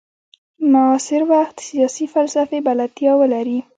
معاصر وخت سیاسي فلسفې بلدتیا ولري.